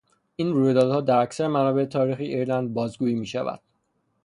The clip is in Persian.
این رویدادها در اکثر منابع تاریخی ایرلند بازگویی میشود.